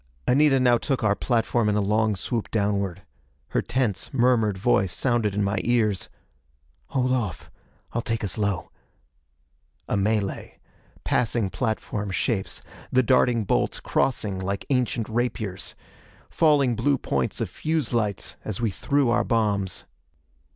Anita now took our platform in a long swoop downward. Her tense, murmured voice sounded in my ears: "Hold off: I'll take us low." A melee. Passing platform shapes. The darting bolts, crossing like ancient rapiers. Falling blue points of fuse lights as we threw our bombs.